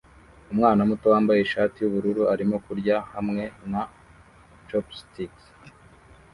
Umwana muto wambaye ishati yubururu arimo kurya hamwe na chopsticks